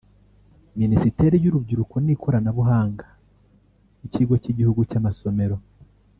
Minisiteri y’Urubyiruko n’Ikoranabuhanga n’Ikigo cy’Igihugu cy’Amasomero